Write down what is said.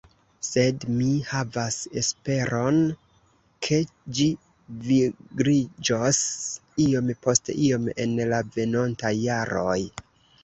Sed mi havas esperon, ke ĝi vigliĝos iom post iom en la venontaj jaroj.